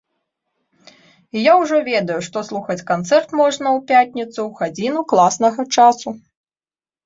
І я ўжо ведаю, што слухаць канцэрт можна ў пятніцу, у гадзіну класнага часу.